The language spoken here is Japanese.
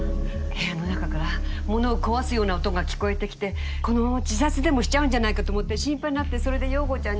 部屋の中からものを壊すような音が聞こえてきてこのまま自殺でもしちゃうんじゃないかと思って心配になってそれで洋子ちゃんに。